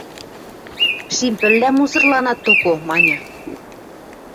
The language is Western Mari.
Шим пӹлвлӓ музырланат доко, – маньы.